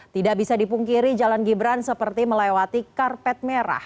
tidak bisa dipungkiri jalan gibran seperti melewati karpet merah